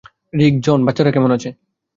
রিক, John, বাচ্চারা কেমন আছে?